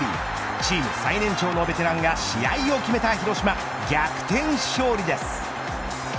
チーム最年長のベテランが試合を決めた広島逆転勝利です。